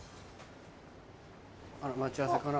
あら待ち合わせかな？